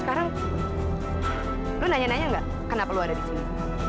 sekarang lo nanya nanya gak kenapa lo ada di sini